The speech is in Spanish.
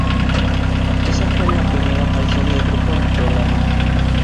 Esa fue la primera aparición del grupo en el programa.